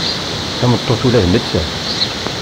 D tameṭṭut ula d nettat.